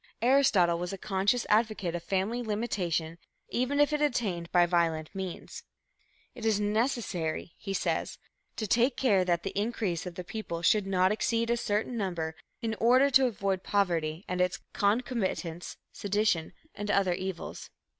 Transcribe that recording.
Aristotle was a conscious advocate of family limitation even if attained by violent means. "It is necessary," he says, "to take care that the increase of the people should not exceed a certain number in order to avoid poverty and its concomitants, sedition and other evils."